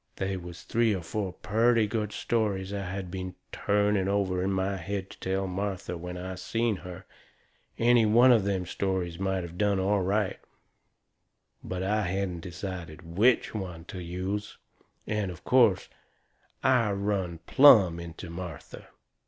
They was three or four purty good stories I had been trying over in my head to tell Martha when I seen her. Any one of them stories might of done all right; but I hadn't decided WHICH one to use. And, of course, I run plumb into Martha.